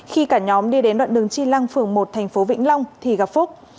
khi cả nhóm đi đến đoạn đường tri lăng phường một tp vĩnh long thì gặp phúc